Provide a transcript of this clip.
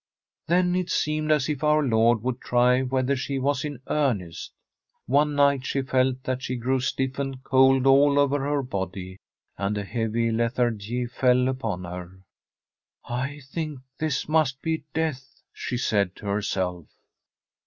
Then it seemed as if our Lord would try whether she was in earnest. One night she felt that she grew stiff and cold all over her body, and a heavy lethargy fell upon her. ' I think this must be death,' she said to herself.